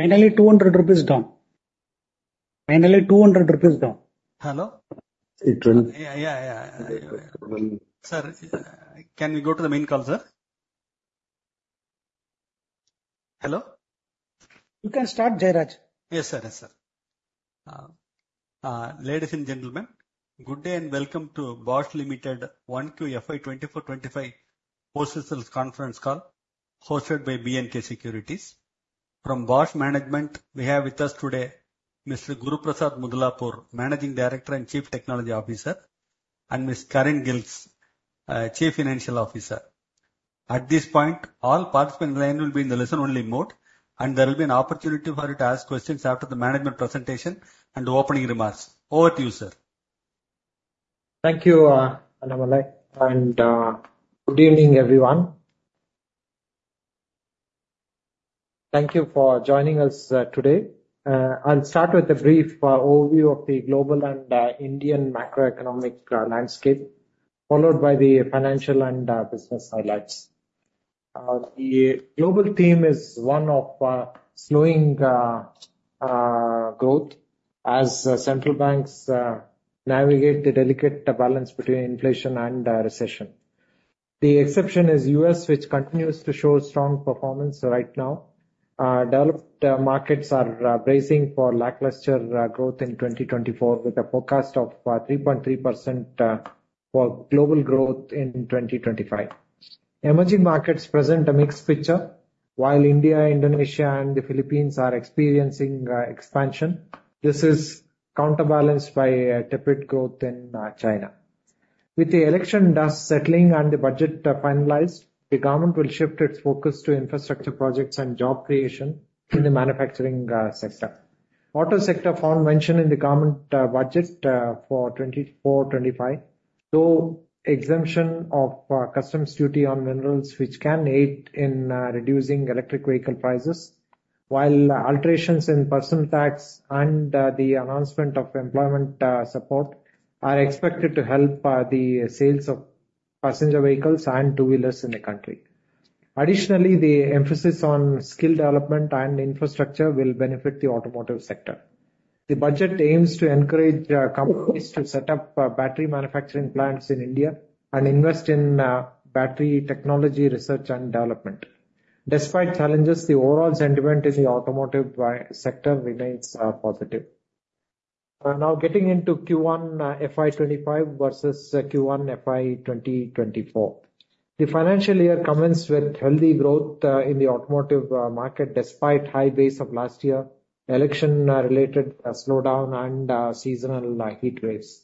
Finally, 200 rupees down. Finally, 200 rupees down. Hello? It will. Yeah, yeah, yeah. Sir, can we go to the main call, sir? Hello? You can start, Jayaraj. Yes, sir. Yes, sir. Ladies and gentlemen, good day and Welcome to Bosch Limited Q1 FY 2024-2025 Post-Sales Conference Call, hosted by B&K Securities. From Bosch management, we have with us today Mr. Guruprasad Mudlapur, Managing Director and Chief Technology Officer, and Ms. Karin Gilges, Chief Financial Officer. At this point, all participants line will be in the listen-only mode, and there will be an opportunity for you to ask questions after the management presentation and opening remarks. Over to you, sir. Thank you, Annamalai, and good evening, everyone. Thank you for joining us today. I'll start with a brief overview of the global and Indian macroeconomic landscape, followed by the financial and business highlights. The global theme is one of slowing growth as central banks navigate the delicate balance between inflation and recession. The exception is U.S., which continues to show strong performance right now. Developed markets are bracing for lackluster growth in 2024, with a forecast of 3.3% for global growth in 2025. Emerging markets present a mixed picture. While India, Indonesia, and the Philippines are experiencing expansion, this is counterbalanced by tepid growth in China. With the election dust settling and the budget finalized, the government will shift its focus to infrastructure projects and job creation in the manufacturing sector. Auto sector found mention in the government budget for 2024-25, though exemption of customs duty on minerals, which can aid in reducing electric vehicle prices, while alterations in personal tax and the announcement of employment support are expected to help the sales of passenger vehicles and two-wheelers in the country. Additionally, the emphasis on skill development and infrastructure will benefit the automotive sector. The budget aims to encourage companies to set up battery manufacturing plants in India and invest in battery technology, research and development. Despite challenges, the overall sentiment in the automotive sector remains positive. Now getting into Q1 FY25 versus Q1 FY 2024. The financial year commenced with healthy growth in the automotive market, despite high base of last year, election related slowdown and seasonal heat waves.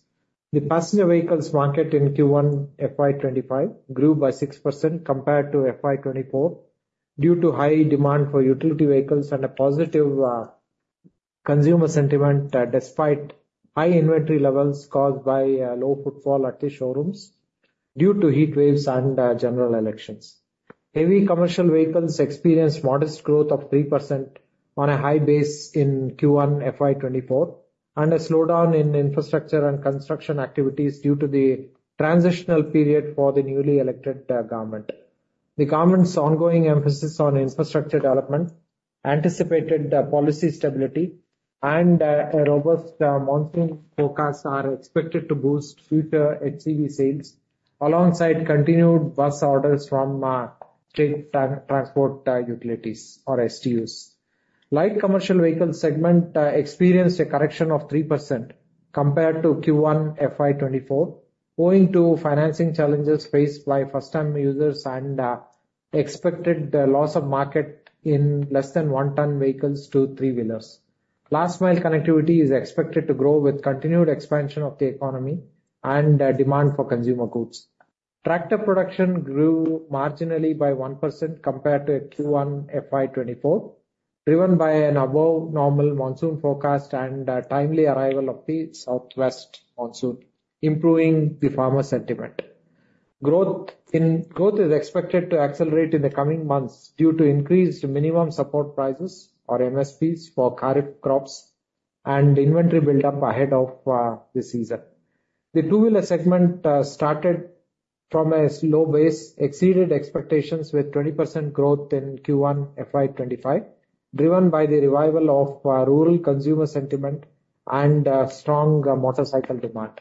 The passenger vehicles market in Q1, FY2025 grew by 6% compared to FY2024, due to high demand for utility vehicles and a positive consumer sentiment, despite high inventory levels caused by low footfall at the showrooms due to heat waves and general elections. Heavy commercial vehicles experienced modest growth of 3% on a high base in Q1, FY2024, and a slowdown in infrastructure and construction activities due to the transitional period for the newly elected government. The government's ongoing emphasis on infrastructure development, anticipated policy stability and a robust monsoon forecast are expected to boost future HCV sales, alongside continued bus orders from state transport utilities or STUs. Light commercial vehicle segment experienced a correction of 3% compared to Q1, FY 2024, owing to financing challenges faced by first-time users and expected loss of market in less than one-ton vehicles to three-wheelers. Last mile connectivity is expected to grow with continued expansion of the economy and demand for consumer goods. Tractor production grew marginally by 1% compared to Q1, FY 2024, driven by an above normal monsoon forecast and a timely arrival of the southwest monsoon, improving the farmer sentiment. Growth is expected to accelerate in the coming months due to increased minimum support prices, or MSPs, for kharif crops and inventory buildup ahead of the season. The two-wheeler segment started from a slow base, exceeded expectations with 20% growth in Q1, FY 25, driven by the revival of rural consumer sentiment and strong motorcycle demand.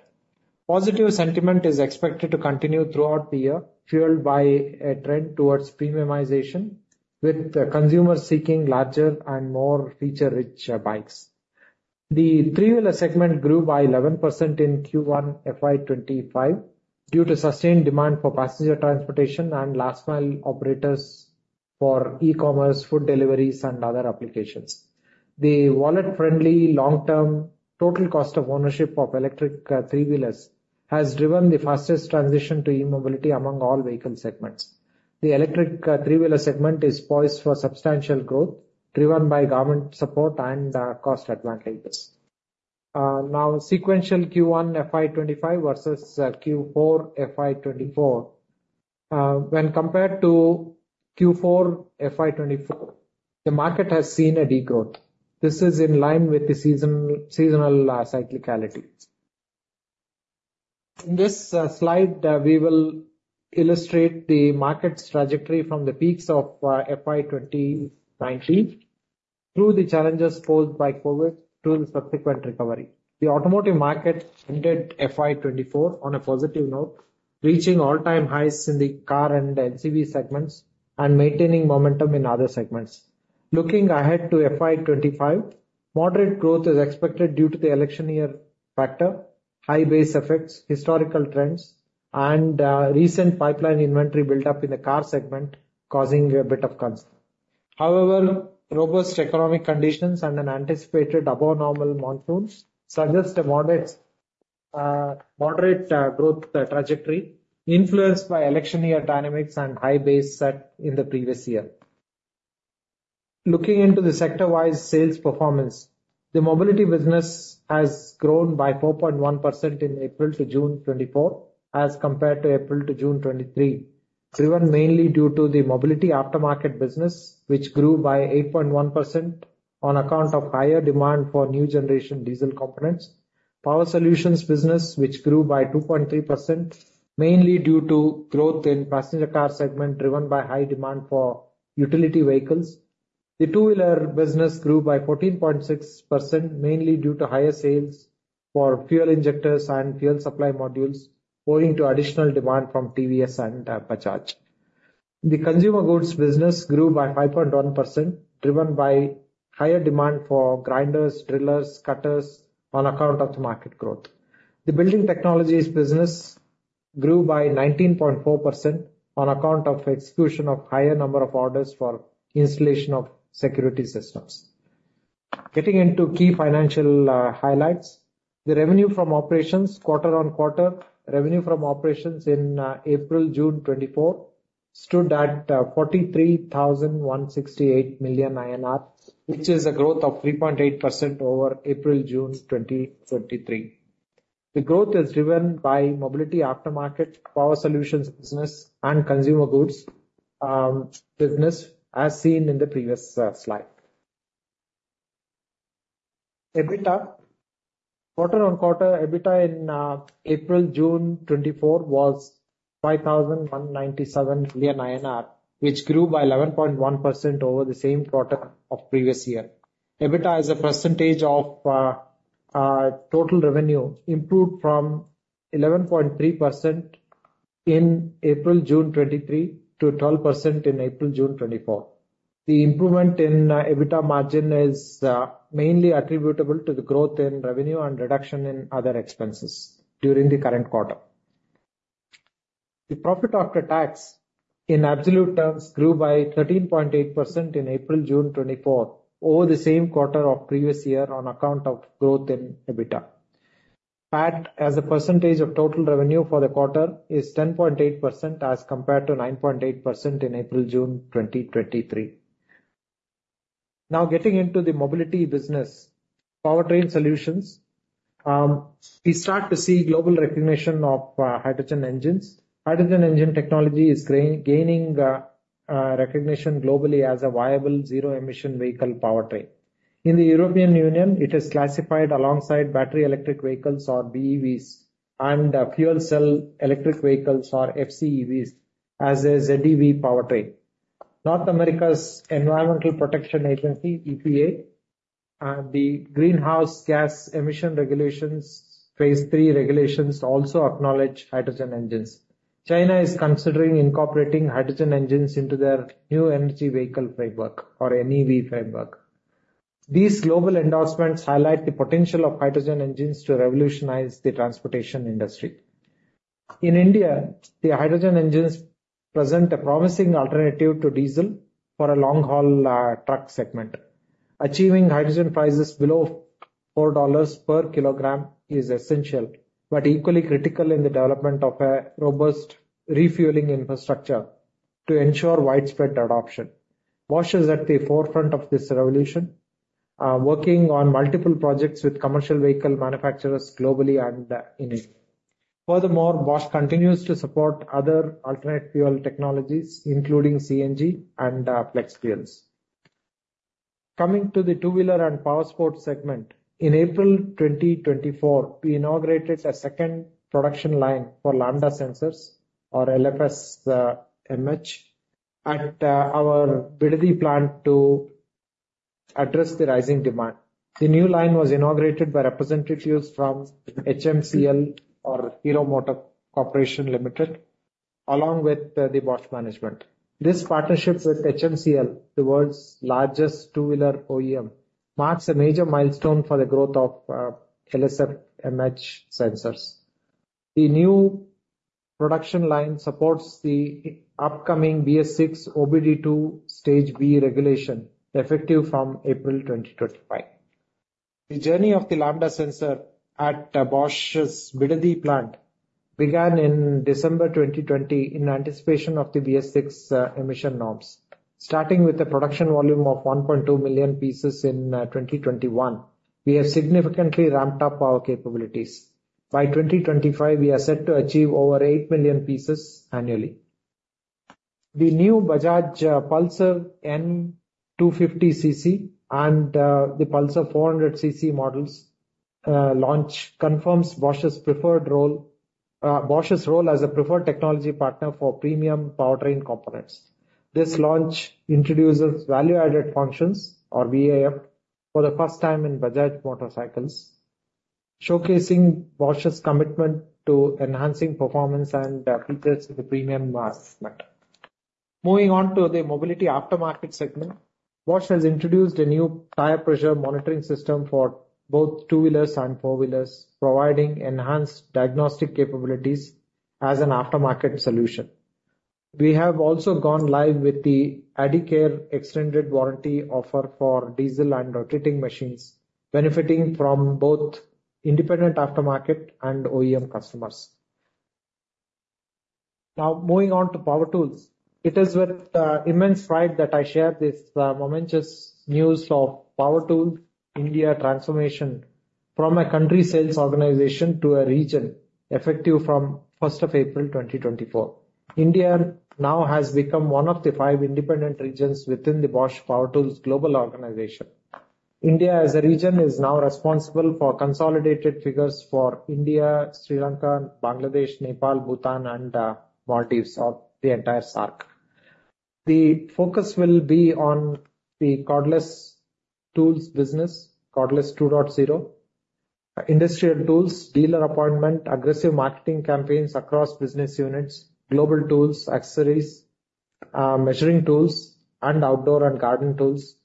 Positive sentiment is expected to continue throughout the year, fueled by a trend towards premiumization, with consumers seeking larger and more feature-rich bikes. The three-wheeler segment grew by 11% in Q1, FY 25, due to sustained demand for passenger transportation and last mile operators for e-commerce, food deliveries, and other applications. The wallet-friendly, long-term, total cost of ownership of electric-three-wheelers has driven the fastest transition to e-mobility among all vehicle segments. The electric-three-wheeler segment is poised for substantial growth, driven by government support and cost advantages. Now, sequential Q1, FY 2025 versus Q4, FY 2024. When compared to Q4, FY 2024, the market has seen a degrowth. This is in line with the seasonal cyclicality. In this slide, we will illustrate the market's trajectory from the peaks of FY 2019, through the challenges posed by COVID, to the subsequent recovery. The automotive market ended FY 2024 on a positive note, reaching all-time highs in the car and LCV segments, and maintaining momentum in other segments. Looking ahead to FY 2025, moderate growth is expected due to the election year factor, high base effects, historical trends, and recent pipeline inventory buildup in the car segment, causing a bit of concern. However, robust economic conditions and an anticipated above normal monsoons suggest a moderate, moderate, growth trajectory influenced by election year dynamics and high base set in the previous year. Looking into the sector-wide sales performance, the Mobility business has grown by 4.1% in April to June 2024, as compared to April to June 2023. Driven mainly due to the Mobility Aftermarket business, which grew by 8.1% on account of higher demand for new generation diesel components. Power Solutions business, which grew by 2.3%, mainly due to growth in passenger car segment, driven by high demand for utility vehicles. The two-wheeler business grew by 14.6%, mainly due to higher sales for fuel injectors and fuel supply modules, owing to additional demand from TVS and, Bajaj. The Consumer Goods business grew by 5.1%, driven by higher demand for grinders, drillers, cutters on account of market growth. The Building Technologies business grew by 19.4% on account of execution of higher number of orders for installation of security systems. Getting into key financial highlights. The revenue from operations, quarter-on-quarter, revenue from operations in April, June 2024 stood at 43,168 million INR, which is a growth of 3.8% over April, June 2023. The growth is driven by Mobility Aftermarket, Power Solutions business, and Consumer Goods business, as seen in the previous slide. EBITDA. Quarter-on-quarter, EBITDA in April, June 2024 was 5,197 million INR, which grew by 11.1% over the same quarter of previous year. EBITDA, as a percentage of total revenue, improved from 11.3% in April-June 2023 to 12% in April-June 2024. The improvement in EBITDA margin is mainly attributable to the growth in revenue and reduction in other expenses during the current quarter. The Profit After Tax, in absolute terms, grew by 13.8% in April-June 2024, over the same quarter of previous year on account of growth in EBITDA. PAT, as a percentage of total revenue for the quarter, is 10.8%, as compared to 9.8% in April-June 2023. Now, getting into the Mobility business, powertrain solutions, we start to see global recognition of hydrogen engines. Hydrogen engine technology is gaining recognition globally as a viable zero-emission vehicle powertrain. In the European Union, it is classified alongside battery electric vehicles, or BEVs, and fuel cell electric vehicles, or FCEVs, as a ZEV powertrain. North America's Environmental Protection Agency, EPA, the Greenhouse Gas Emission Regulations, Phase III regulations, also acknowledge hydrogen engines. China is considering incorporating hydrogen engines into their new energy vehicle framework or NEV framework. These global endorsements highlight the potential of hydrogen engines to revolutionize the transportation industry. In India, the hydrogen engines present a promising alternative to diesel for a long-haul truck segment. Achieving hydrogen prices below $4 per kilogram is essential, but equally critical in the development of a robust refueling infrastructure to ensure widespread adoption. Bosch is at the forefront of this revolution, working on multiple projects with commercial vehicle manufacturers globally and in India. Furthermore, Bosch continues to support other alternate fuel technologies, including CNG and flex fuels. Coming to the two-wheeler and power sports segment, in April 2024, we inaugurated a second production line for lambda sensors or LSF-MH at our Bidadi plant to address the rising demand. The new line was inaugurated by representatives from HMCL or Hero MotoCorp Limited, along with the Bosch management. This partnerships with HMCL, the world's largest two-wheeler OEM, marks a major milestone for the growth of LSF-MH sensors. The new production line supports the upcoming BS6 OBD II Stage B regulation, effective from April 2025. The journey of the lambda sensor at Bosch's Bidadi plant began in December 2020, in anticipation of the BS6 emission norms. Starting with a production volume of 1.2 million pieces in 2021, we have significantly ramped up our capabilities. By 2025, we are set to achieve over 8 million pieces annually. The new Bajaj Pulsar N250 cc and the Pulsar 400 cc models launch confirms Bosch's role as a preferred technology partner for premium powertrain components. This launch introduces value-added functions, or VAF, for the first time in Bajaj motorcycles, showcasing Bosch's commitment to enhancing performance and attributes to the premium mass market. Moving on to the Mobility Aftermarket segment, Bosch has introduced a new tire pressure monitoring system for both two-wheelers and four-wheelers, providing enhanced diagnostic capabilities as an aftermarket solution. We have also gone live with the AdiCare extended warranty offer for diesel and rotating machines, benefiting from both independent aftermarket and OEM customers. Now, moving on to power tools, it is with immense pride that I share this momentous news of Power Tools India transformation from a country sales organization to a region, effective from 1st of April, 2024. India now has become one of the five independent regions within the Bosch Power Tools global organization. India, as a region, is now responsible for consolidated figures for India, Sri Lanka, Bangladesh, Nepal, Bhutan, and Maldives, or the entire SAARC. The focus will be on the cordless tools business, Cordless 2.0, industrial tools, dealer appointment, aggressive marketing campaigns across business units, global tools, accessories, measuring tools, and outdoor and garden tools,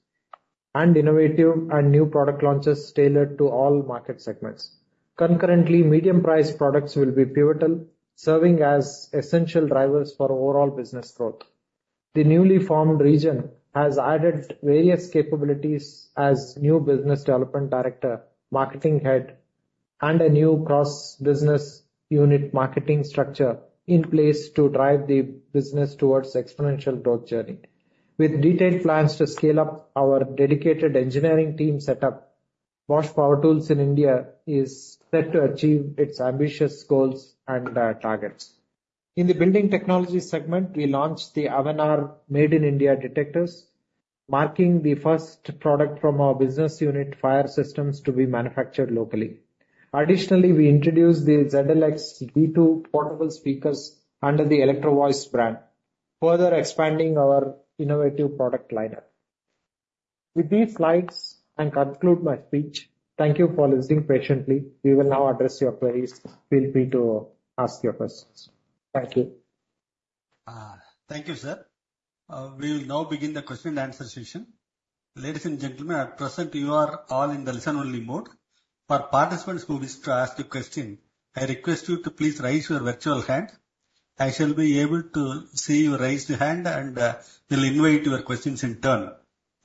and innovative and new product launches tailored to all market segments. Concurrently, medium-priced products will be pivotal, serving as essential drivers for overall business growth. The newly formed region has added various capabilities as new business development director, marketing head, and a new cross-business unit marketing structure in place to drive the business towards exponential growth journey. With detailed plans to scale up our dedicated engineering team setup, Bosch Power Tools in India is set to achieve its ambitious goals and targets. In the Building Technology segment, we launched the AVENAR Made in India detectors, marking the first product from our business unit, Fire Systems, to be manufactured locally. Additionally, we introduced the ZLX-G2 portable speakers under the Electro-Voice brand, further expanding our innovative product lineup. With these slides, I conclude my speech. Thank you for listening patiently. We will now address your queries. Feel free to ask your questions. Thank you. Thank you, sir. We will now begin the question and answer session. Ladies and gentlemen, at present, you are all in the listen-only mode. For participants who wish to ask a question, I request you to please raise your virtual hand. I shall be able to see your raised hand, and will invite your questions in turn.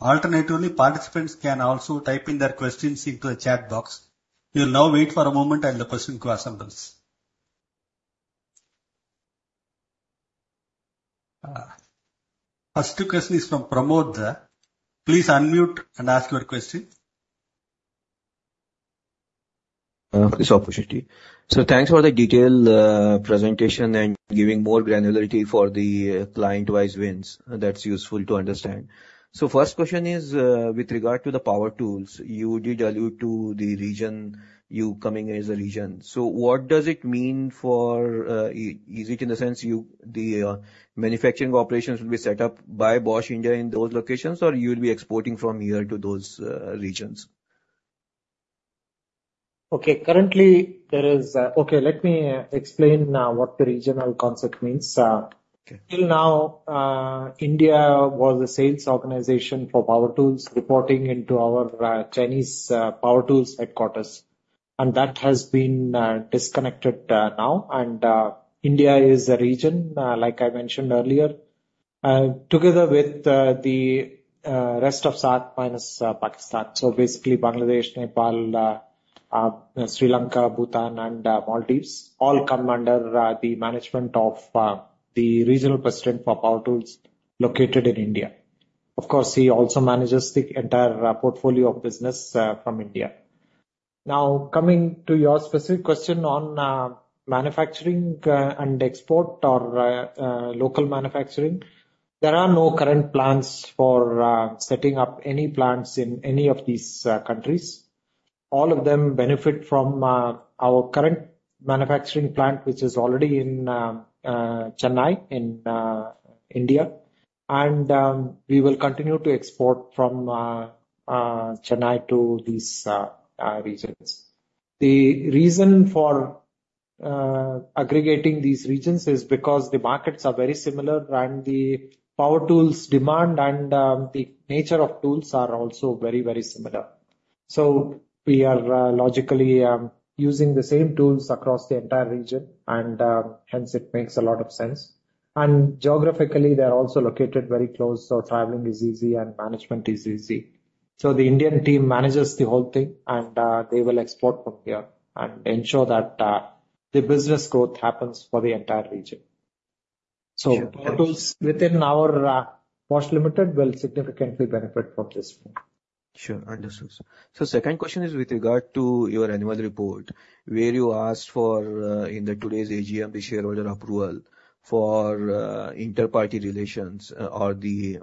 Alternatively, participants can also type in their questions into the chat box. We will now wait for a moment and the question to assemble. First question is from Pramod. Please unmute and ask your question. This opportunity. So thanks for the detailed presentation and giving more granularity for the client-wise wins. That's useful to understand. So first question is with regard to the power tools. You did allude to the region, you coming as a region. So what does it mean for. Is it in the sense you, the manufacturing operations will be set up by Bosch India in those locations, or you'll be exporting from here to those regions? Okay. Currently, there is. Okay, let me explain what the regional concept means. Okay. Till now, India was a sales organization for power tools, reporting into our Chinese power tools headquarters, and that has been disconnected now, and India is a region, like I mentioned earlier, together with the rest of SAARC, minus Pakistan. So basically, Bangladesh, Nepal, Sri Lanka, Bhutan, and Maldives, all come under the management of the regional president for power tools located in India. Of course, he also manages the entire portfolio of business from India. Now, coming to your specific question on manufacturing and export or local manufacturing, there are no current plans for setting up any plants in any of these countries. All of them benefit from our current manufacturing plant, which is already in Chennai, in India. We will continue to export from Chennai to these regions. The reason for aggregating these regions is because the markets are very similar, and the power tools demand and the nature of tools are also very, very similar. So we are logically using the same tools across the entire region, and hence it makes a lot of sense. Geographically, they are also located very close, so traveling is easy and management is easy. So the Indian team manages the whole thing, and they will export from here and ensure that the business growth happens for the entire region. Sure. So power tools within our Bosch Limited will significantly benefit from this one. Sure, understood. So second question is with regard to your annual report, where you asked for, in today's AGM, the shareholder approval for, inter-party relations or the,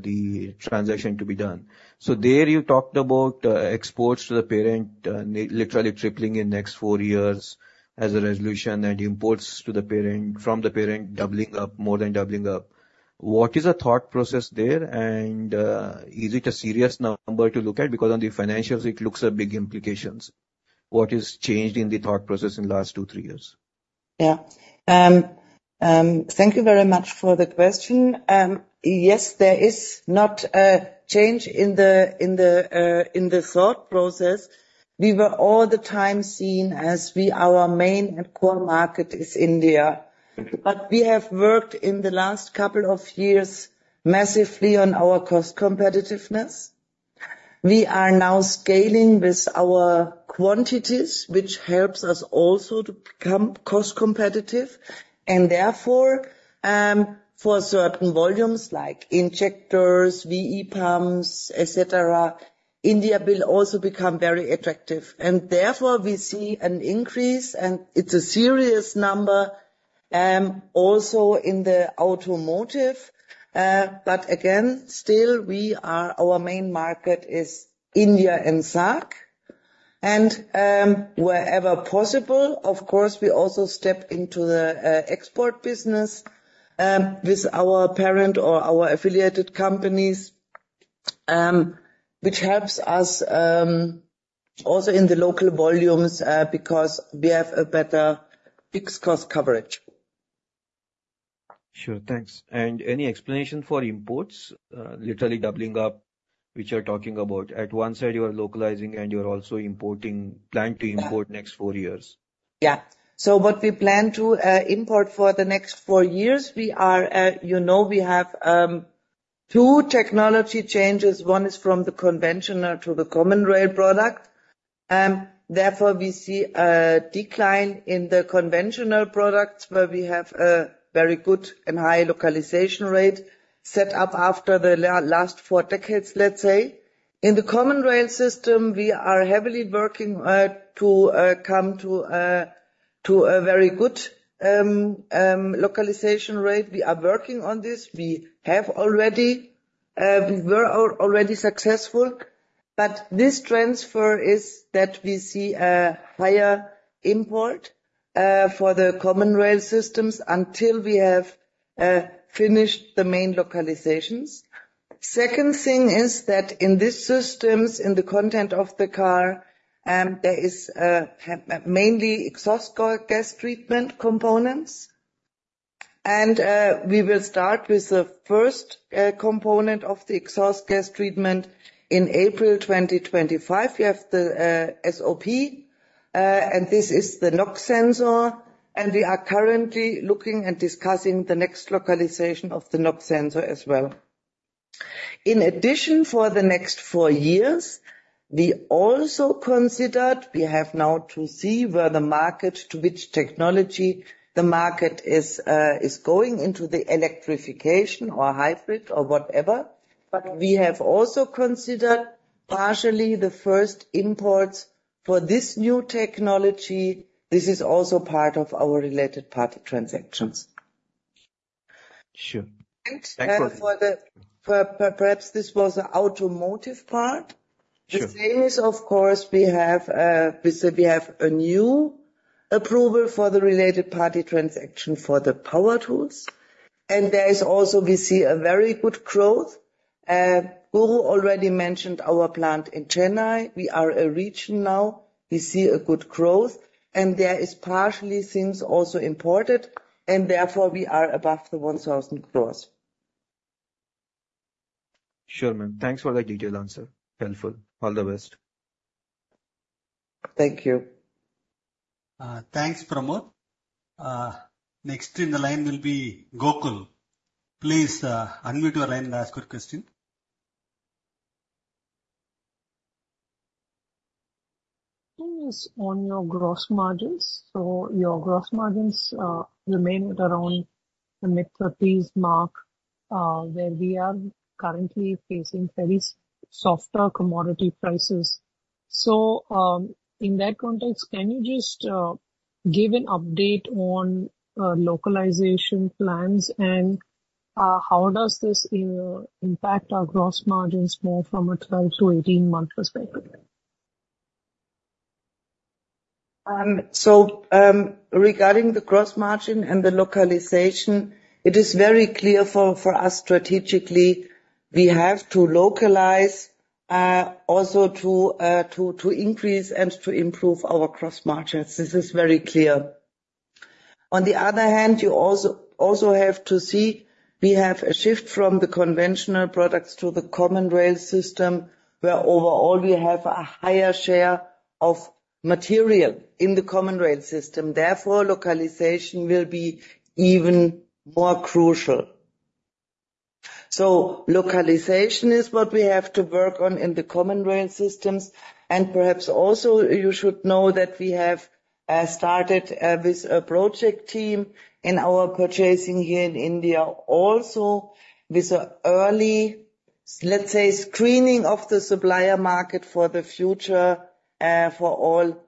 the transaction to be done. So there you talked about, exports to the parent, literally tripling in next four years as a resolution, and imports to the parent, from the parent, doubling up, more than doubling up. What is the thought process there, and, is it a serious number to look at? Because on the financials, it looks at big implications. What has changed in the thought process in the last two, three years? Yeah. Thank you very much for the question. Yes, there is not a change in the thought process. We were all the time seen as we, our main and core market is India. But we have worked in the last couple of years massively on our cost competitiveness. We are now scaling with our quantities, which helps us also to become cost competitive, and therefore, for certain volumes, like injectors, VE pumps, et cetera, India will also become very attractive. And therefore, we see an increase, and it's a serious number, also in the automotive. But again, still, we are, our main market is India and SAARC. Wherever possible, of course, we also step into the export business with our parent or our affiliated companies, which helps us also in the local volumes because we have a better fixed cost coverage. Sure, thanks. And any explanation for imports, literally doubling up, which you're talking about? At one side, you are localizing, and you are also importing, planning to import next four years. Yeah. So what we plan to import for the next four years, we are, you know, we have two technology changes. One is from the conventional to the Common Rail product, and therefore, we see a decline in the conventional products, where we have a very good and high localization rate set up after the last four decades, let's say. In the Common Rail system, we are heavily working to come to a very good localization rate. We are working on this. We have already, we were already successful, but this transfer is that we see a higher import for the Common Rail systems until we have finished the main localizations. Second thing is that in these systems, in the content of the car, there is mainly exhaust gas treatment components. We will start with the first component of the exhaust gas treatment in April 2025. We have the SOP, and this is the NOx sensor, and we are currently looking and discussing the next localization of the NOx sensor as well. In addition, for the next four years, we also considered, we have now to see where the market, to which technology the market is, is going into the electrification or hybrid or whatever, but we have also considered partially the first imports for this new technology. This is also part of our related party transactions. Sure. Thanks for the. Perhaps this was the automotive part. Sure. The same is, of course, we have, we said we have a new approval for the related party transaction for the power tools, and there is also, we see a very good growth. Guru already mentioned our plant in Chennai. We are a region now. We see a good growth, and there is partially things also imported, and therefore we are above the 1000 growth. Sure, ma'am. Thanks for the detailed answer. Helpful. All the best. Thank you. Thanks, Pramod. Next in the line will be Gokul. Please, unmute your line and ask your question. Is on your gross margins. So your gross margins remain at around the mid-thirties mark, where we are currently facing very softer commodity prices. So, in that context, can you just give an update on localization plans, and how does this impact our gross margins more from a 12-18-month perspective? Regarding the gross margin and the localization, it is very clear for us strategically, we have to localize also to increase and to improve our gross margins. This is very clear. On the other hand, you also have to see, we have a shift from the conventional products to the Common Rail system, where overall, we have a higher share of material in the Common Rail system, therefore, localization will be even more crucial. So localization is what we have to work on in the Common Rail systems, and perhaps also you should know that we have started with a project team in our purchasing here in India, also with an early, let's say, screening of the supplier market for the future for all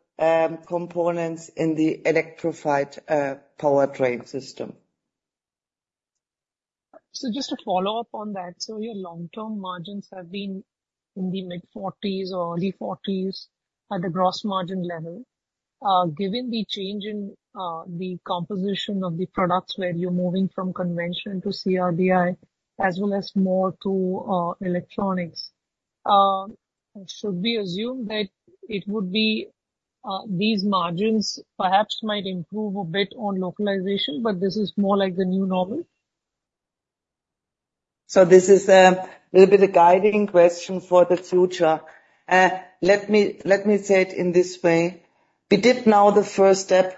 components in the electrified powertrain system. Just to follow up on that, so your long-term margins have been in the mid-40s or early 40s at the gross margin level. Given the change in the composition of the products, where you're moving from conventional to CRDI, as well as more to electronics, should we assume that it would be these margins perhaps might improve a bit on localization, but this is more like the new normal? So this is a little bit a guiding question for the future. Let me say it in this way. We did now the first step,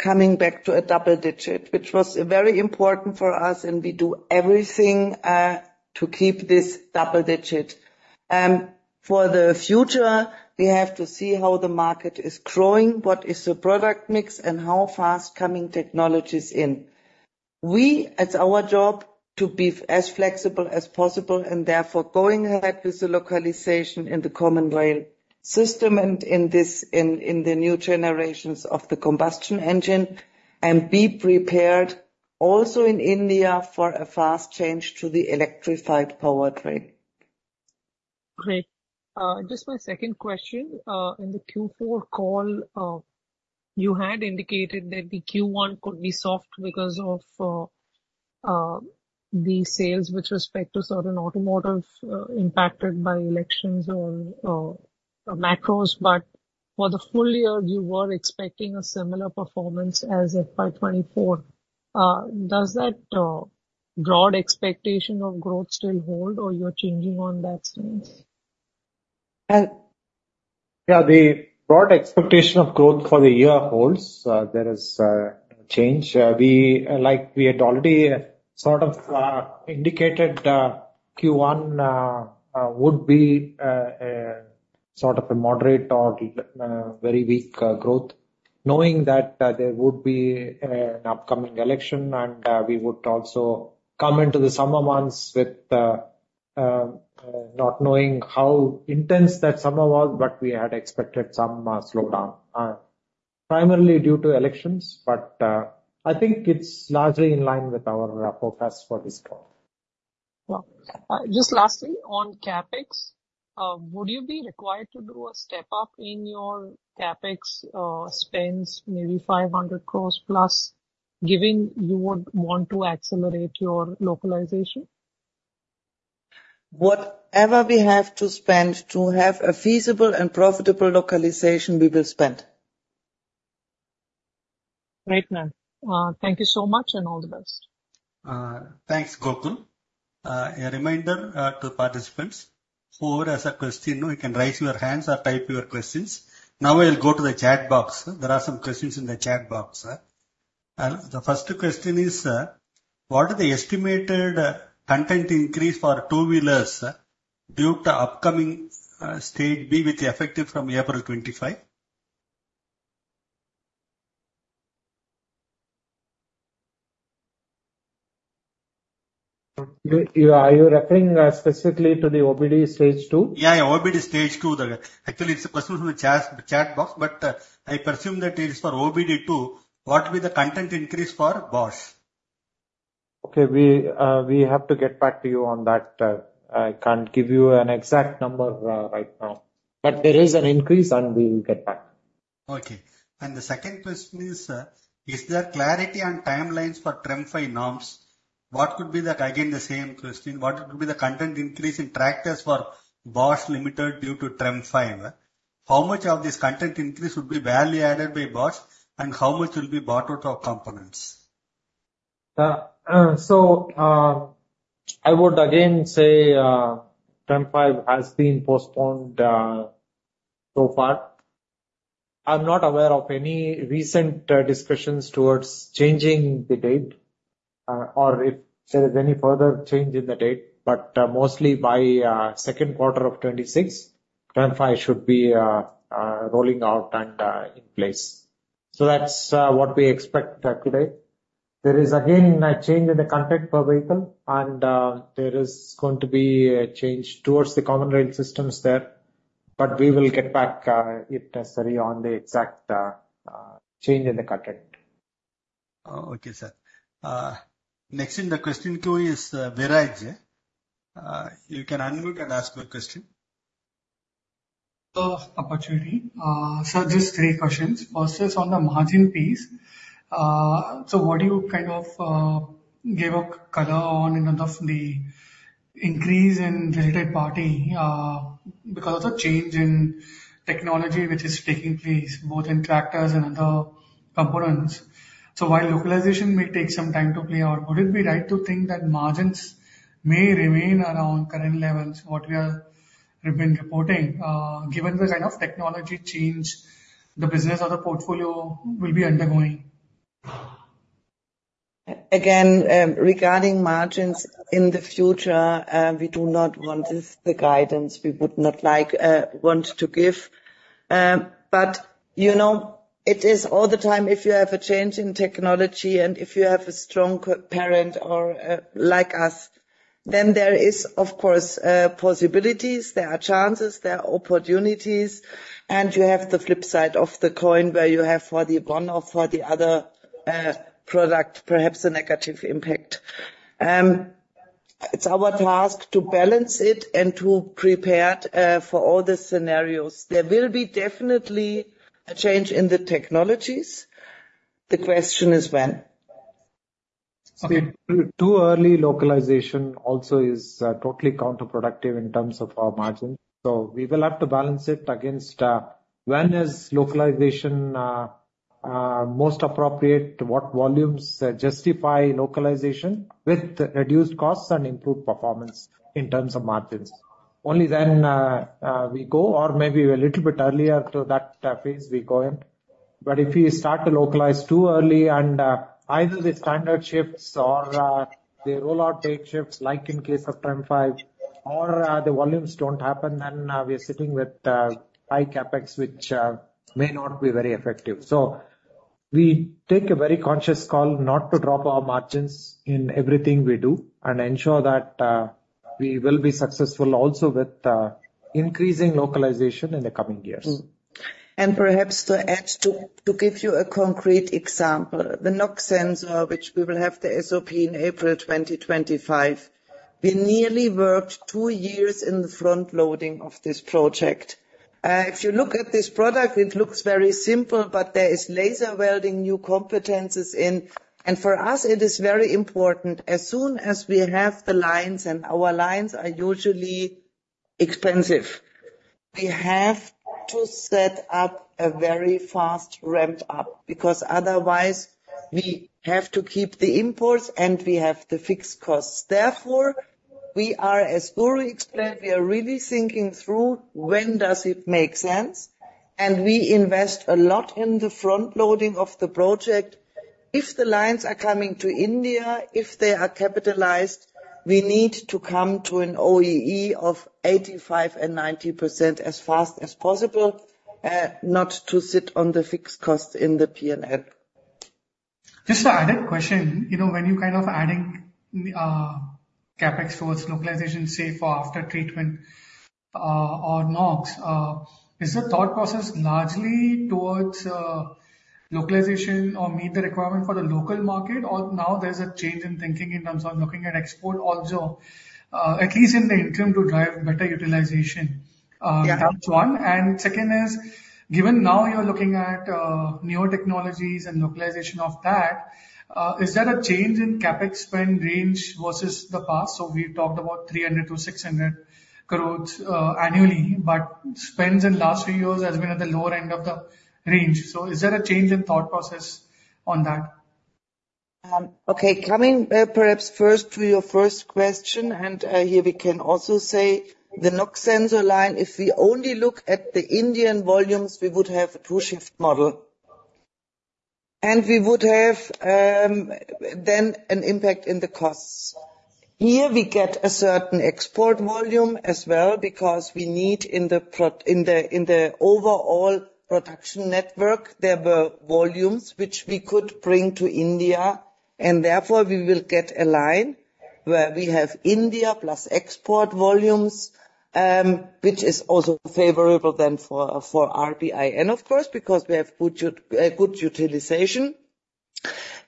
coming back to a double digit, which was very important for us, and we do everything to keep this double digit. For the future, we have to see how the market is growing, what is the product mix, and how fast coming technology is in. It's our job to be as flexible as possible, and therefore going ahead with the localization in the Common Rail system and in the new generations of the combustion engine, and be prepared also in India for a fast change to the electrified powertrain. Great. Just my second question. In the Q4 call, you had indicated that the Q1 could be soft because of the sales with respect to certain automotive impacted by elections or macros. But for the full year, you were expecting a similar performance as FY 2024. Does that broad expectation of growth still hold, or you're changing on that stance? Yeah, the broad expectation of growth for the year holds. There is change. We, like we had already sort of indicated, Q1 would be a sort of a moderate or very weak growth. Knowing that, there would be an upcoming election, and we would also come into the summer months with not knowing how intense that summer was, but we had expected some slowdown primarily due to elections. But I think it's largely in line with our forecast for this quarter. Well, just lastly, on CapEx, would you be required to do a step up in your CapEx spends, maybe 500 crores plus, given you would want to accelerate your localization? Whatever we have to spend to have a feasible and profitable localization, we will spend. Great, ma'am. Thank you so much, and all the best. Thanks, Gokul. A reminder to participants, who has a question, you can raise your hands or type your questions. Now I will go to the chat box. There are some questions in the chat box, sir. The first question is, "What are the estimated content increase for two-wheelers due to upcoming, stage B, with effective from April 2025? Are you referring specifically to the OBD Stage II? Yeah, yeah, OBD Stage II. Actually, it's a question from the chat box, but I presume that it is for OBD II. What will be the content increase for Bosch? Okay, we have to get back to you on that. I can't give you an exact number, right now, but there is an increase, and we will get back. Okay. The second question is, "Is there clarity on timelines for TREM V norms? What could be that, again, the same question, what could be the content increase in tractors for Bosch Limited due to TREM V? How much of this content increase would be value added by Bosch, and how much will be bought out of components? So, I would again say, TREM V has been postponed so far. I'm not aware of any recent discussions towards changing the date, or if there is any further change in the date, but mostly by second quarter of 2026, TREM V should be rolling out and in place. So that's what we expect today. There is again a change in the content per vehicle, and there is going to be a change towards the Common Rail systems there, but we will get back if necessary on the exact change in the content. Okay, sir. Next in the question queue is Viraj Kacharia. You can unmute and ask your question. Opportunity. So just three questions. First is on the margin piece. So what do you kind of give a color on in terms of the increase in third party, because of the change in technology, which is taking place both in tractors and other components. So while localization may take some time to play out, would it be right to think that margins may remain around current levels, what we are, we've been reporting, given the kind of technology change the business or the portfolio will be undergoing? Again, regarding margins in the future, we do not want to give this guidance. We would not like to give. But, you know, it is all the time, if you have a change in technology and if you have a strong co-parent or like us, then there is, of course, possibilities, there are chances, there are opportunities, and you have the flip side of the coin, where you have for the one or for the other product, perhaps a negative impact. It's our task to balance it and to prepare for all the scenarios. There will be definitely a change in the technologies. The question is when? Too early localization also is totally counterproductive in terms of our margin. So we will have to balance it against when is localization most appropriate, what volumes justify localization with reduced costs and improved performance in terms of margins. Only then we go, or maybe a little bit earlier to that phase we go in. But if you start to localize too early and either the standard shifts or the rollout date shifts, like in case of TREM V, or the volumes don't happen, then we are sitting with high CapEx, which may not be very effective. So we take a very conscious call not to drop our margins in everything we do, and ensure that we will be successful also with increasing localization in the coming years. Perhaps to add, to give you a concrete example, the NOx sensor, which we will have the SOP in April 2025, we nearly worked two years in the front loading of this project. If you look at this product, it looks very simple, but there is laser welding, new competencies in. And for us, it is very important. As soon as we have the lines, and our lines are usually expensive, we have to set up a very fast ramped up, because otherwise we have to keep the imports and we have the fixed costs. Therefore, we are, as Guru explained, we are really thinking through when does it make sense, and we invest a lot in the front loading of the project. If the lines are coming to India, if they are capitalized, we need to come to an OEE of 85% and 90% as fast as possible, not to sit on the fixed cost in the P&L. Just an added question. You know, when you're kind of adding CapEx towards localization, say, for after treatment or NOx, is the thought process largely towards localization or meet the requirement for the local market? Or now there's a change in thinking in terms of looking at export also, at least in the interim, to drive better utilization? That's one. And second is, given now you're looking at newer technologies and localization of that, is there a change in CapEx spend range versus the past? So we talked about 300 crores-600 crores annually, but spends in last few years has been at the lower end of the range. So is there a change in thought process on that? Okay, coming perhaps first to your first question, and here we can also say the NOx sensor line, if we only look at the Indian volumes, we would have a two-shift model, and we would have then an impact in the costs. Here, we get a certain export volume as well, because we need in the overall production network, there were volumes which we could bring to India, and therefore, we will get a line where we have India plus export volumes, which is also favorable then for RBIN, of course, because we have good utilization.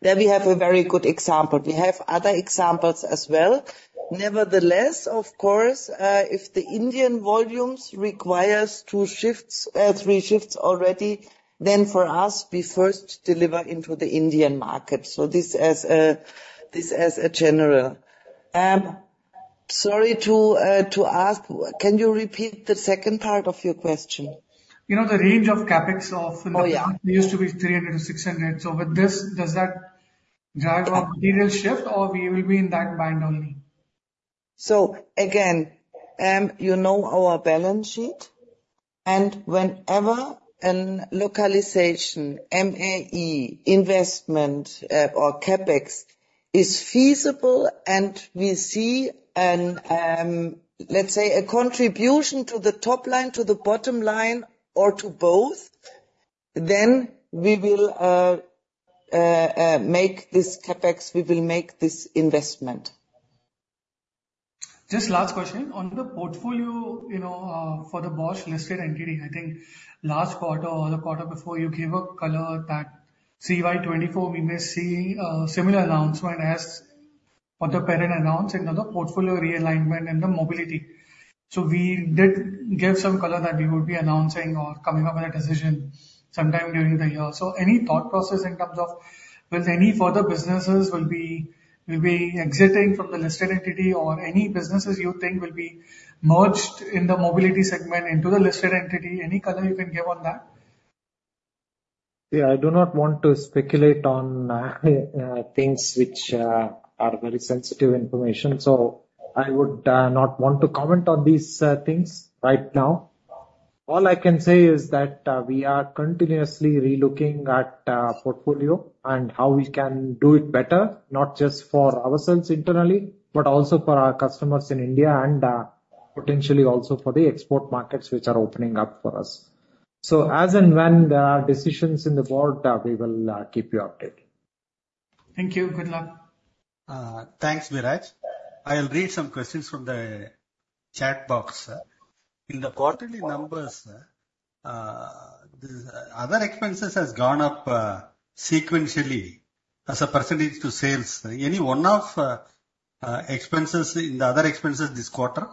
There we have a very good example. We have other examples as well. Nevertheless, of course, if the Indian volumes requires two shifts, three shifts already, then for us, we first deliver into the Indian market. So, this is a general. Sorry to ask, can you repeat the second part of your question? You know, the range of CapEx of. Oh, yeah. It used to be 300-600. So with this, does that drive a material shift or we will be in that bind only? So again, you know our balance sheet, and whenever a localization, MAE, investment, or CapEx is feasible and we see, let's say, a contribution to the top line, to the bottom line, or to both, then we will make this CapEx, we will make this investment. Just last question. On the portfolio, you know, for the Bosch listed entity, I think last quarter or the quarter before, you gave a color that CY 2024, we may see a similar announcement as for the parent announcement in the portfolio realignment and the mobility. So we did give some color that you will be announcing or coming up with a decision sometime during the year. So any thought process in terms of whether any further businesses will be exiting from the listed entity or any businesses you think will be merged in the mobility segment into the listed entity? Any color you can give on that? Yeah, I do not want to speculate on things which are very sensitive information, so I would not want to comment on these things right now. All I can say is that we are continuously relooking at portfolio and how we can do it better, not just for ourselves internally, but also for our customers in India, and potentially also for the export markets which are opening up for us. So as and when there are decisions in the board, we will keep you updated. Thank you. Good luck. Thanks, Viraj. I'll read some questions from the chat box. In the quarterly numbers, the other expenses has gone up, sequentially as a percentage to sales. Any one-off expenses in the other expenses this quarter?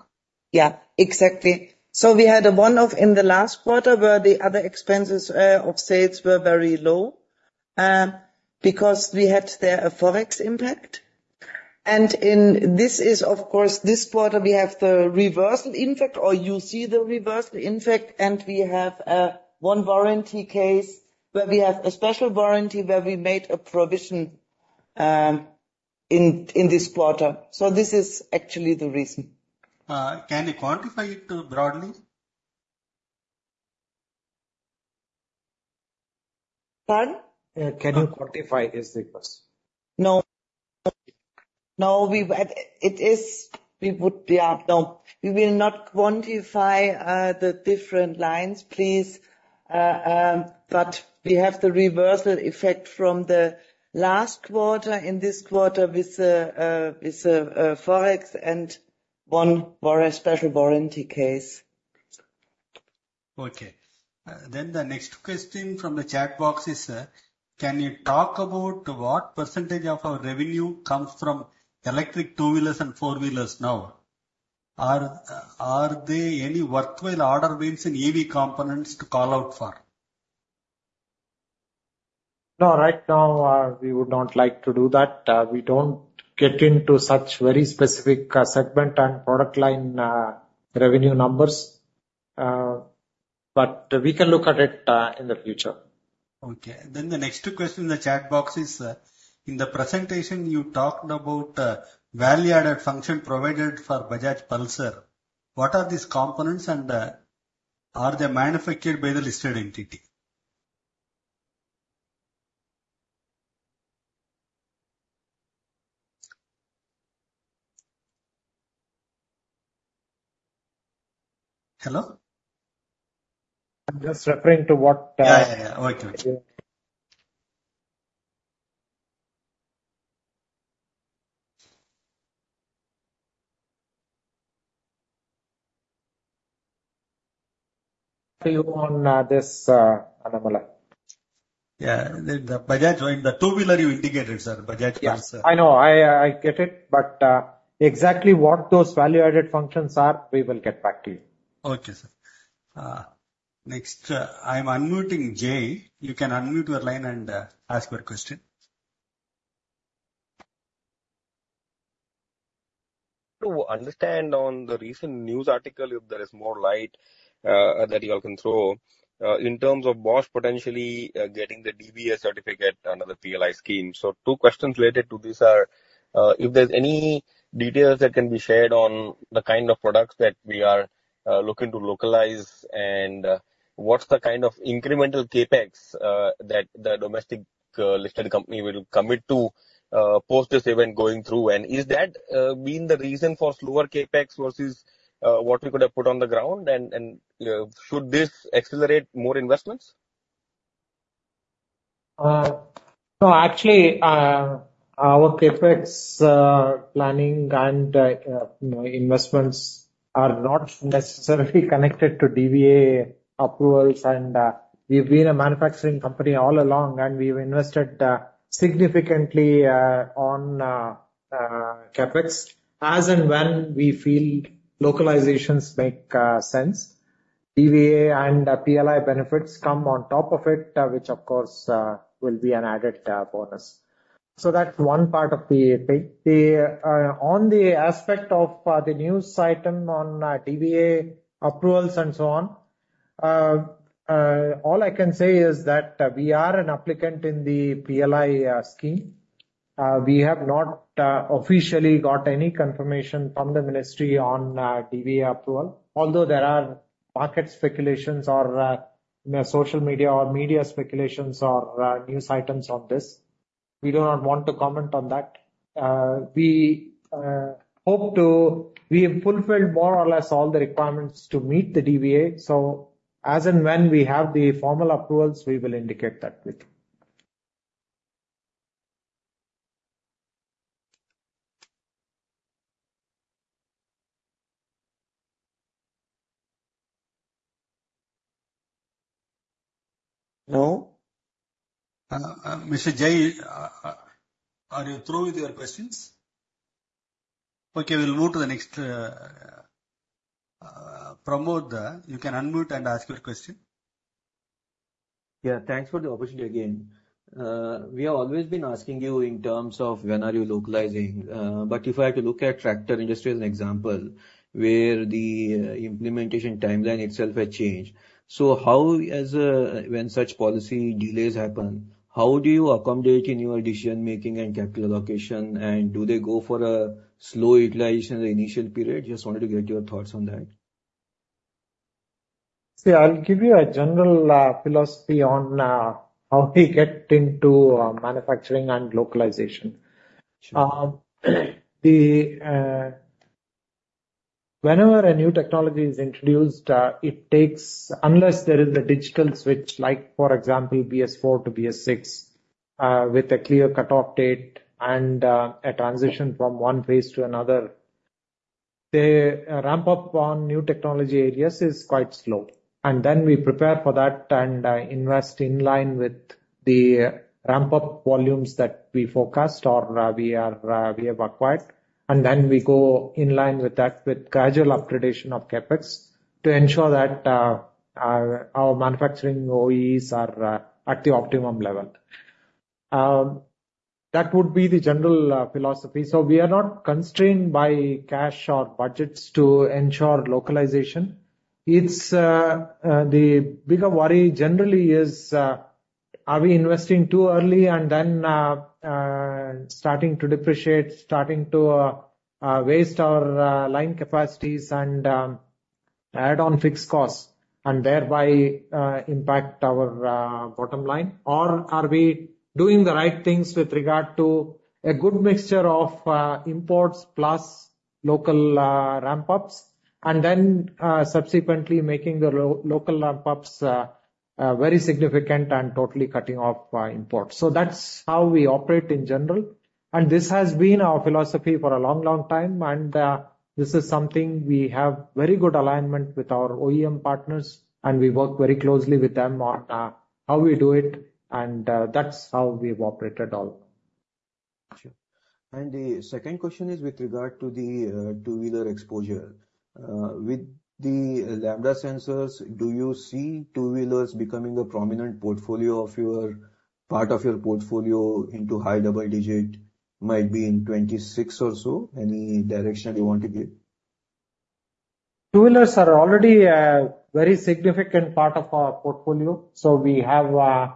Yeah, exactly. So we had a one-off in the last quarter, where the other expenses of sales were very low, because we had there a Forex impact. And in this, of course, this quarter, we have the reversal impact, or you see the reversal impact, and we have one warranty case, where we have a special warranty where we made a provision in this quarter. So this is actually the reason. Can you quantify it broadly? Pardon? Can you quantify this request? No. No, we've had. It is, we would, yeah, no. We will not quantify the different lines, please. But we have the reversal effect from the last quarter, in this quarter with the, with the, forex and one warranty special warranty case. Okay. Then the next question from the chat box is, can you talk about what percentage of our revenue comes from electric two-wheelers and four-wheelers now? Are there any worthwhile order wins in EV components to call out for? No, right now, we would not like to do that. We don't get into such very specific, segment and product line, revenue numbers, but we can look at it, in the future. Okay. Then the next question in the chat box is, in the presentation you talked about, value-added function provided for Bajaj Pulsar. What are these components, and are they manufactured by the listed entity? Hello? I'm just referring to what. Yeah, yeah, yeah. Okay. On this, Annamalai. Yeah, the Bajaj one, the two-wheeler you indicated, sir, Bajaj Pulsar. Yes, I know. I get it, but exactly what those value-added functions are, we will get back to you. Okay, sir. Next, I'm unmuting Jai. You can unmute your line and ask your question. To understand on the recent news article, if there is more light that you all can throw in terms of Bosch potentially getting the DVA certificate under the PLI Scheme. So two questions related to this are, if there's any details that can be shared on the kind of products that we are looking to localize, and what's the kind of incremental CapEx that the domestic listed company will commit to post this event going through? And is that being the reason for slower CapEx versus what we could have put on the ground? And should this accelerate more investments? No, actually, our CapEx planning and, you know, investments are not necessarily connected to DVA approvals. We've been a manufacturing company all along, and we've invested significantly on CapEx, as and when we feel localizations make sense. DVA and PLI benefits come on top of it, which of course will be an added bonus. So that's one part of the thing. On the aspect of the news item on DVA approvals and so on, all I can say is that we are an applicant in the PLI Scheme. We have not officially got any confirmation from the ministry on DVA approval, although there are market speculations or, you know, social media or media speculations or news items on this. We do not want to comment on that. We hope to. We have fulfilled more or less all the requirements to meet the DVA, so as and when we have the formal approvals, we will indicate that with you. Hello? Mr. Jai, are you through with your questions? Okay, we'll move to the next, Pramod. You can unmute and ask your question. Yeah, thanks for the opportunity again. We have always been asking you in terms of when are you localizing? But if I had to look at tractor industry as an example, where the implementation timeline itself had changed. So how as, when such policy delays happen, how do you accommodate in your decision-making and capital allocation, and do they go for a slow utilization in the initial period? Just wanted to get your thoughts on that. See, I'll give you a general philosophy on how we get into manufacturing and localization. Whenever a new technology is introduced, it takes—unless there is a digital switch, like, for example, BS4 to BS6, with a clear cut-off date and a transition from one phase to another, the ramp-up on new technology areas is quite slow. And then we prepare for that and invest in line with the ramp-up volumes that we forecast or we have acquired, and then we go in line with that, with gradual upgradation of CapEx to ensure that our manufacturing OEs are at the optimum level. That would be the general philosophy. So we are not constrained by cash or budgets to ensure localization. It's the bigger worry generally is, are we investing too early and then starting to depreciate, starting to waste our line capacities and add on fixed costs, and thereby impact our bottom line? Or are we doing the right things with regard to a good mixture of imports plus local ramp-ups, and then subsequently making the local ramp-ups very significant and totally cutting off imports. So that's how we operate in general, and this has been our philosophy for a long, long time, and this is something we have very good alignment with our OEM partners, and we work very closely with them on how we do it, and that's how we've operated all. Sure. And the second question is with regard to the two-wheeler exposure. With the Lambda sensors, do you see two-wheelers becoming a prominent portfolio of your part of your portfolio into high double digit, might be in 2026 or so? Any direction you want to give? Two-wheelers are already a very significant part of our portfolio, so we have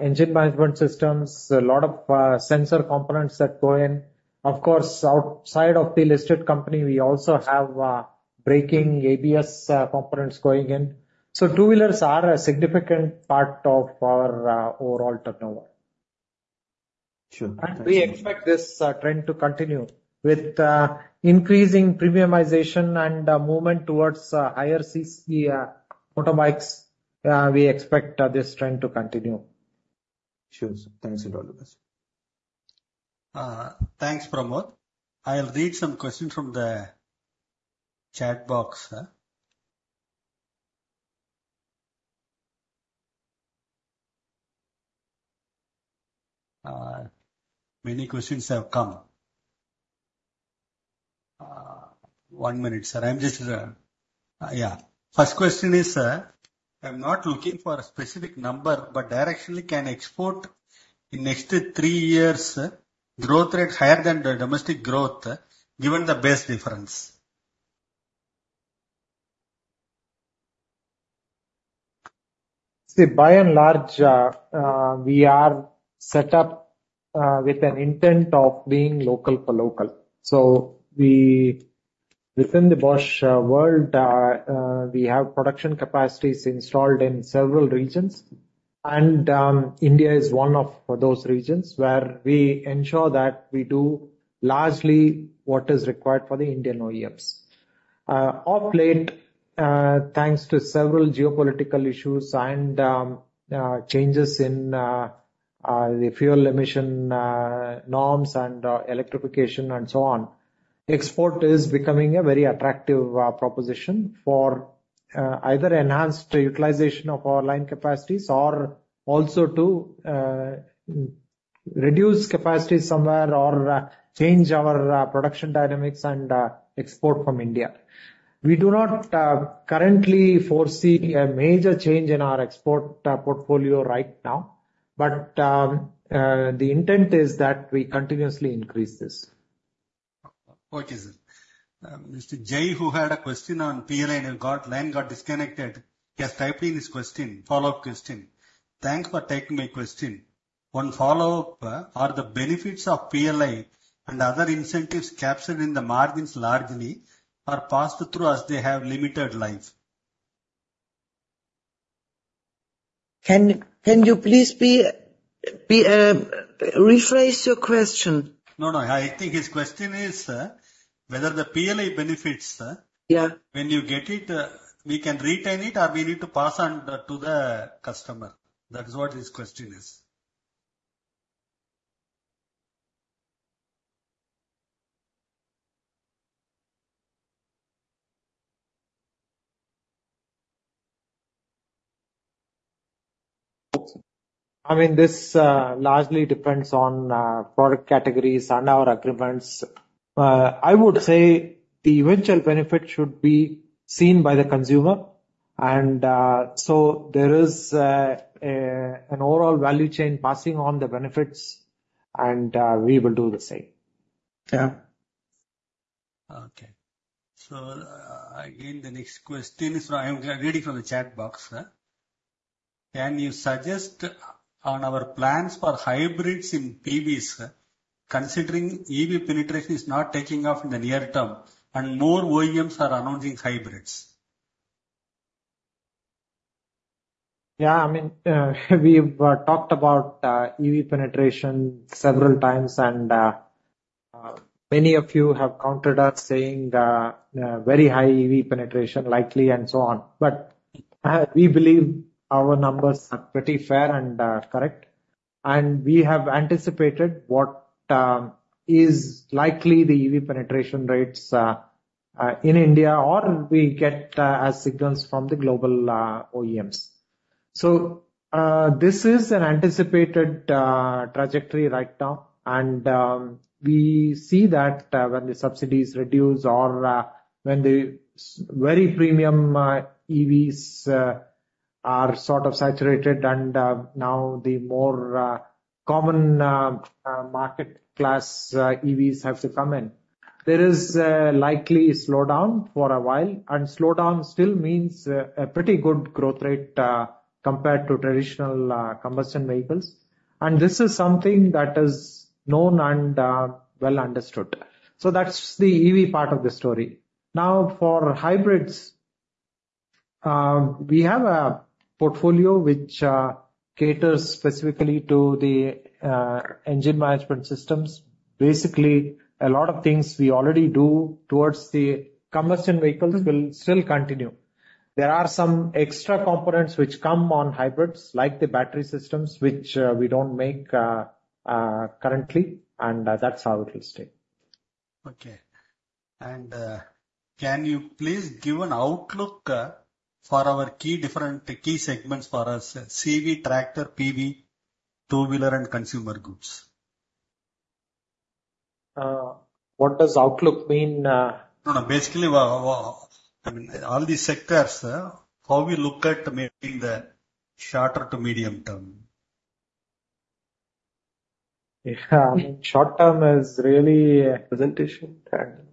engine management systems, a lot of sensor components that go in. Of course, outside of the listed company, we also have braking ABS components going in. So two-wheelers are a significant part of our overall turnover. Sure. We expect this trend to continue. With increasing premiumization and movement towards higher cc motorbikes, we expect this trend to continue. Sure. Thanks a lot, Guru. Thanks, Pramod. I'll read some questions from the chat box, sir. Many questions have come. One minute, sir. I'm just. Yeah. First question is, "I'm not looking for a specific number, but directionally, can export in next three years, growth rate higher than the domestic growth, given the base difference? See, by and large, we are set up with an intent of being local-for-local. So we, within the Bosch world, we have production capacities installed in several regions, and India is one of those regions where we ensure that we do largely what is required for the Indian OEMs. Of late, thanks to several geopolitical issues and changes in the fuel emission norms and electrification and so on, export is becoming a very attractive proposition for either enhanced utilization of our line capacities or also to reduce capacity somewhere or change our production dynamics and export from India. We do not currently foresee a major change in our export portfolio right now, but the intent is that we continuously increase this. Okay, sir. Mr. Jai, who had a question on PLI and got disconnected, he has typed in his question, follow-up question: "Thanks for taking my question. One follow-up, are the benefits of PLI and other incentives captured in the margins largely or passed through as they have limited life? Can you please rephrase your question? No, no, I think his question is, whether the PLI benefits. Yeah. When you get it, we can retain it, or we need to pass on to the customer. That is what his question is. I mean, this largely depends on product categories and our agreements. I would say the eventual benefit should be seen by the consumer, and so there is an overall value chain passing on the benefits, and we will do the same. Yeah. Okay. So, again, the next question, so I am reading from the chat box. Can you suggest on our plans for hybrids in PVs, considering EV penetration is not taking off in the near term and more OEMs are announcing hybrids? Yeah, I mean, we've talked about EV penetration several times, and many of you have countered us, saying that very high EV penetration likely, and so on. But we believe our numbers are pretty fair and correct, and we have anticipated what is likely the EV penetration rates in India, or we get as signals from the global OEMs. So this is an anticipated trajectory right now, and we see that when the subsidies reduce or when the very premium EVs are sort of saturated, and now the more common market class EVs have to come in. There is likely a slowdown for a while, and slowdown still means a pretty good growth rate compared to traditional combustion vehicles. This is something that is known and well understood. So that's the EV part of the story. Now, for hybrids, we have a portfolio which caters specifically to the engine management systems. Basically, a lot of things we already do towards the combustion vehicles will still continue. There are some extra components which come on hybrids, like the battery systems, which we don't make currently, and that's how it will stay. Okay. Can you please give an outlook for our key different, key segments for us, CV, tractor, PV, two-wheeler and consumer goods? What does outlook mean? No, no, basically, I mean, all these sectors, how we look at maybe in the shorter to medium term? Yeah. Short term is really. Presentation.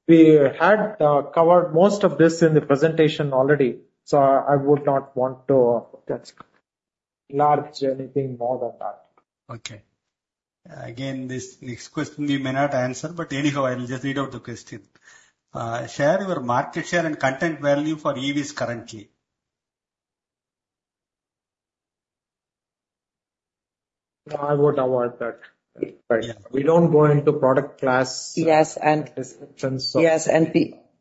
We had covered most of this in the presentation already, so I would not want to. That's. Enlarge anything more than that. Okay. Again, this next question you may not answer, but anyhow, I'll just read out the question. Share your market share and content value for EVs currently. No, I would avoid that question. We don't go into product class. Yes, and. Description, so. Yes, and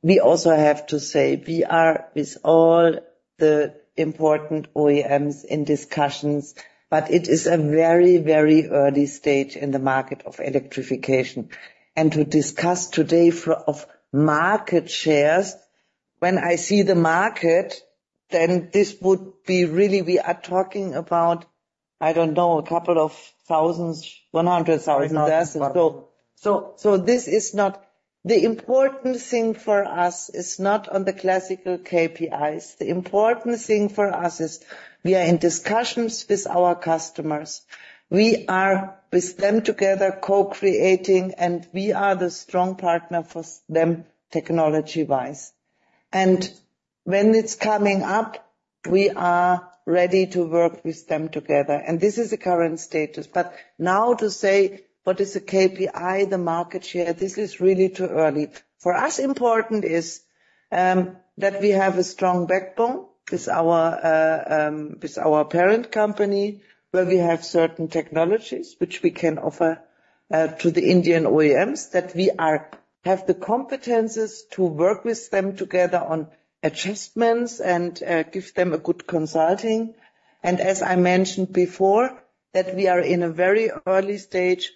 we also have to say, we are with all the important OEMs in discussions, but it is a very, very early stage in the market of electrification. And to discuss today of market shares, when I see the market, then this would be really, we are talking about, I don't know, a couple of thousands, 100,000. Or thousand. So this is not. The important thing for us is not on the classical KPIs. The important thing for us is we are in discussions with our customers. We are with them together, co-creating, and we are the strong partner for them, technology-wise. And when it's coming up, we are ready to work with them together. And this is the current status. But now to say, what is the KPI, the market share, this is really too early. For us, important is that we have a strong backbone with our parent company, where we have certain technologies which we can offer to the Indian OEMs, that we are, have the competencies to work with them together on adjustments and give them a good consulting. As I mentioned before that we are in a very early stage,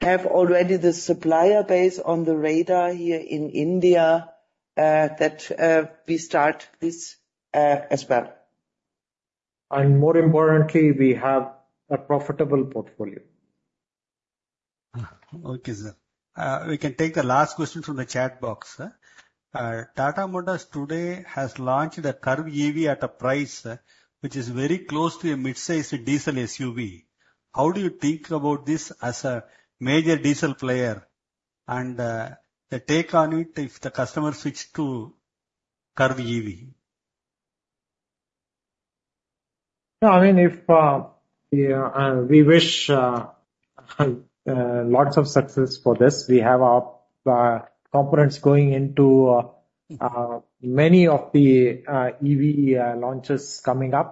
have already the supplier base on the radar here in India, we start this as well. More importantly, we have a profitable portfolio. Okay, sir. We can take the last question from the chat box, sir. Tata Motors today has launched a Curvv.ev at a price which is very close to a mid-sized diesel SUV. How do you think about this as a major diesel player? And the take on it if the customer switched to Curvv.ev. No, I mean, if, yeah, we wish lots of success for this. We have our components going into many of the EV launches coming up,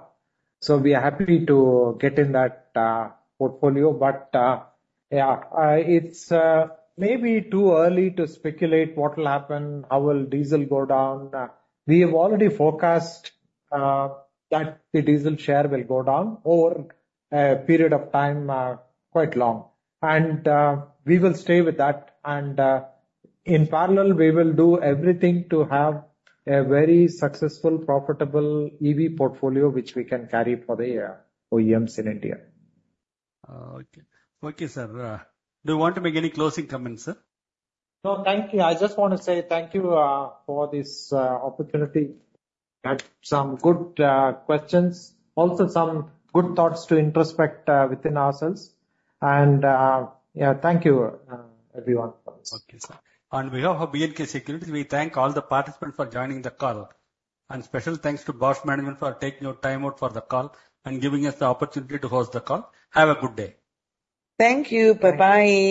so we are happy to get in that portfolio. But, yeah, it's maybe too early to speculate what will happen, how will diesel go down. We have already forecast that the diesel share will go down over a period of time, quite long. And, we will stay with that, and, in parallel, we will do everything to have a very successful, profitable EV portfolio, which we can carry for the OEMs in India. Okay. Okay, sir, do you want to make any closing comments, sir? No, thank you. I just want to say thank you for this opportunity. We had some good questions, also some good thoughts to introspect within ourselves. And yeah, thank you everyone for this. Okay, sir. On behalf of B&K Securities, we thank all the participants for joining the call. Special thanks to Bosch management for taking your time out for the call and giving us the opportunity to host the call. Have a good day. Thank you. Bye bye.